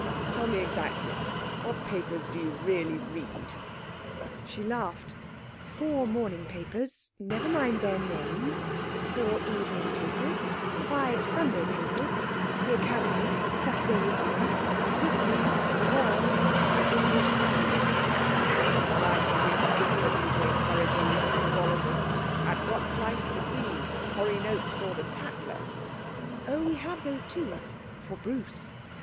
'Tell me exactly, what papers do you really read?' She laughed. 'Four morning papers never mind their names four evening papers; five Sunday papers: The Academy, The Saturday Review, The Bookman, The World, The English Review.' 'Well, I think it's wicked of you to encourage all this frivolity. And what price The Queen, Horrie Notes, or The Tatler?' 'Oh, we have those too for Bruce.'